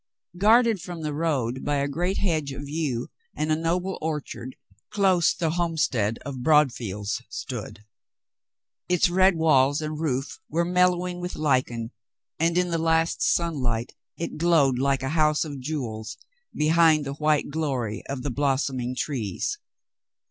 Guarded from the road. by. a. great hedge of yew 38 COLONEL GREATHEART and a noble orchard, close the homestead of Broad fields stood. Its red walls and roof were mellowing with lichen, and in the last sunlight it glowed like a house of jewels behind the white glory of the blos soming trees.